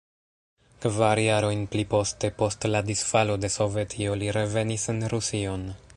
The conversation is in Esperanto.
Kvar jarojn pliposte, post la disfalo de Sovetio, li revenis en Rusion.